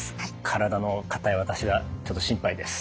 体の硬い私はちょっと心配です。